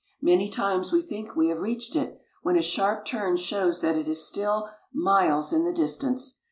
Many times we think we have reached it, when a sharp turn shows that it is still miles in the distance.